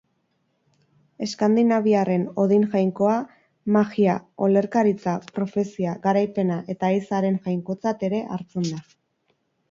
Eskandinaviarren Odin jainkoa magia, olerkaritza, profezia, garaipena eta ehizaren jainkotzat ere hartzen da.